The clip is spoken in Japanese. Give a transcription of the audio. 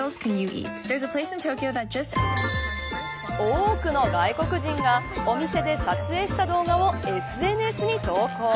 多くの外国人がお店で撮影した動画をＳＮＳに投稿。